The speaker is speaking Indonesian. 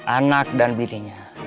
anak dan bininya